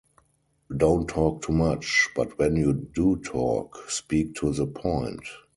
Don't talk too much, but when you do talk speak to the point.